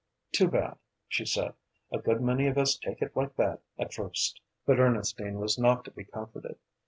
"Too bad," she said; "a good many of us take it like that at first." But Ernestine was not to be comforted.